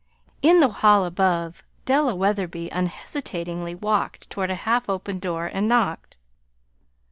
In the hall above Della Wetherby unhesitatingly walked toward a half open door, and knocked.